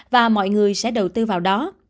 và mọi người sẽ đầu tư vào đó